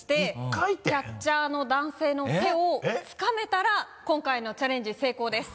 キャッチャーの男性の手をつかめたら今回のチャレンジ成功です。